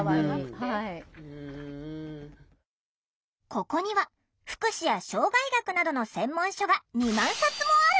ここには福祉や障害学などの専門書が２万冊もある！